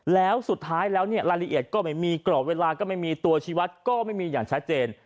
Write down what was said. แล้วสุดท้ายแล้วเนี่ยรายละเอียดก็ไม่มีกรอบเวลาก็ไม่มีตัวชีวัตรก็ไม่มีอย่างชัดเจน